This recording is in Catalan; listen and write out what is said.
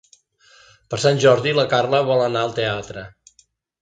Per Sant Jordi na Carla vol anar al teatre.